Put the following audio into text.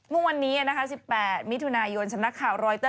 เมื่อวานนี้๑๘มิถุนายนสำนักข่าวรอยเตอร์